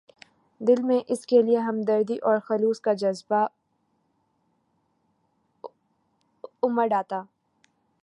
دل میں اس کے لیے ہمدردی اور خلوص کا جذبہ اُمڈ آتا